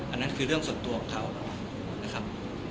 อันนั้นคือเรื่องส่วนตัวของเขานะครับ